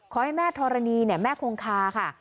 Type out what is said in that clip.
ขอให้แม่ธรณีแม่คงคาค่ะ